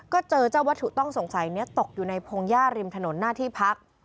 ก็เจอเจ้าวัตถุต้องสงสัยนี้ตกอยู่ในพงหญ้าริมถนนหน้าที่พัก